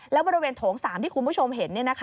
แล้วบริเวณโถง๓ที่คุณผู้ชมเห็น